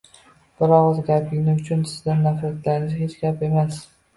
bir og‘iz gapingiz uchun sizdan nafratlanishi hech gap emas.